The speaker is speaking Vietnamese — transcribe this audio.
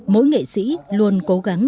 mỗi nghệ sĩ luôn cố gắng